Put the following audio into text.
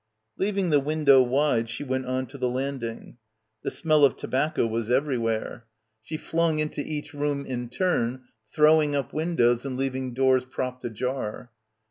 Leaving the window wide she went on to the landing. The smell of tobacco was everywhere. She flung into each room in turn, throwing up windows and leaving doors propped ajar.